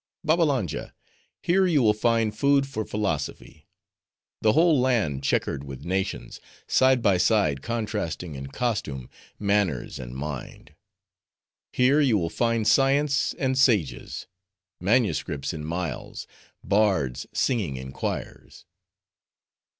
"Babbalanja! here you will find food for philosophy:—the whole land checkered with nations, side by side contrasting in costume, manners, and mind. Here you will find science and sages; manuscripts in miles; bards singing in choirs.